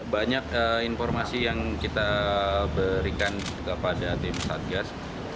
banyak informasi yang kita berikan kepada tim satgas